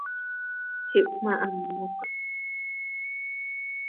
Ihpmahamoc.